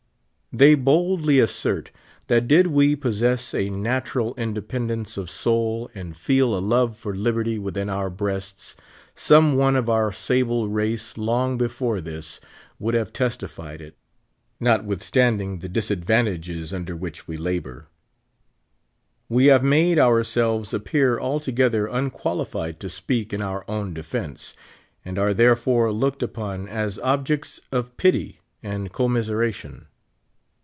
They boldU^ assert that did we possess a natural independence of soul, and feel a love for liberty within our breasts, some one of our sable race, long be fore this, would have testified it, notwithstanding the dis advantages under which we labor. We have made our selves appear altogether unqualified to speak in our own defense, and are therefore looked upon as objects of pity and commiseration.